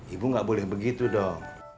ibu nggak boleh begitu dong